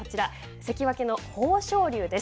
関脇の豊昇龍です。